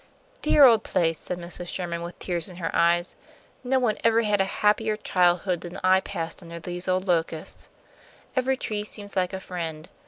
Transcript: "Dear old place!" said Mrs. Sherman, with tears in her eyes. "No one ever had a happier childhood than I passed under these old locusts. Every tree seems like a friend.